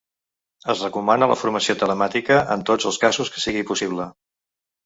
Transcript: Es recomana la formació telemàtica en tots els casos que sigui possible.